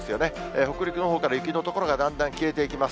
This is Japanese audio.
北陸のほうから雪の所がだんだん消えていきます。